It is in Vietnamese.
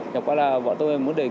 chẳng qua là bọn tôi muốn để được